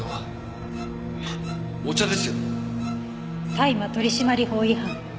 「大麻取締法違反」。